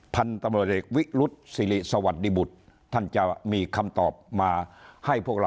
ท่านตามรสบิฤทธิ์หวิรุดสริสวัสดีบุ๋ท่านจะมีคำตอบมาให้พวกเรา